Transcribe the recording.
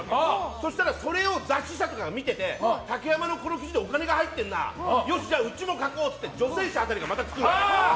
そしたら、それを雑誌社とかが見てて、竹山のこの記事でお金が入ってるなよし、じゃあうちも書こうって女性誌辺りがまた作るわけ。